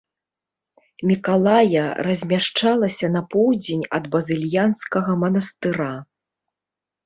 Мікалая размяшчалася на поўдзень ад базыльянскага манастыра.